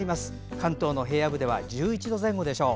関東の平野部では１１度前後でしょう。